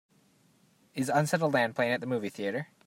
Is Unsettled Land playing at the movie theatre